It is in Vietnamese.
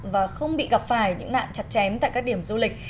và không bị gặp phải những nạn chặt chém tại các điểm du lịch